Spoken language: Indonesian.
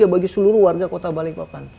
bagi seluruh warga kota balikpapan